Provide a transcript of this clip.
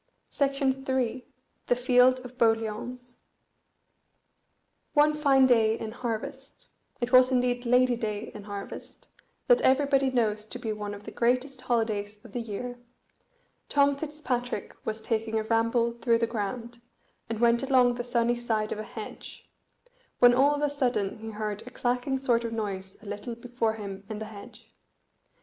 The Field of Boliauns One fine day in harvest it was indeed Lady day in harvest, that everybody knows to be one of the greatest holidays in the year Tom Fitzpatrick was taking a ramble through the ground, and went along the sunny side of a hedge; when all of a sudden he heard a clacking sort of noise a little before him in the hedge.